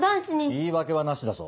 言い訳はなしだぞ。